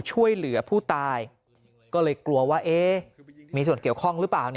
ช่วยเหลือผู้ตายก็เลยกลัวว่ามีส่วนเกี่ยวข้องหรือเปล่า